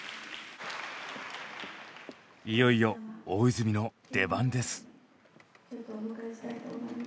いよいよ大泉の出番です。